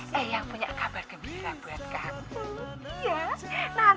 eh eang punya kabar kebira buat kamu